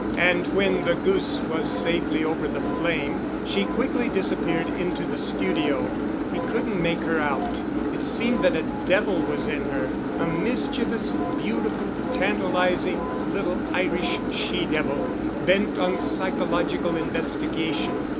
And when the goose was safely over the flame she quickly disappeared into the studio. He couldn't make her out. It seemed that a devil was in her, a mischievous, beautiful, tantalizing, little Irish she devil, bent on psychological investigation.